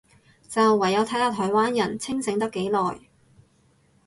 就唯有睇下台灣人清醒得幾耐